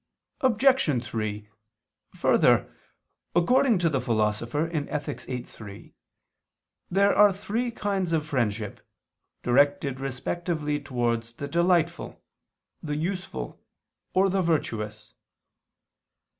Obj. 3: Further, according to the Philosopher (Ethic. viii, 3) there are three kinds of friendship, directed respectively towards the delightful, the useful, or the virtuous.